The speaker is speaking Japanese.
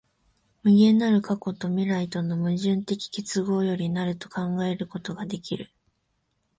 無限なる過去と未来との矛盾的結合より成ると考えることができる。